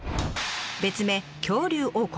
別名恐竜王国。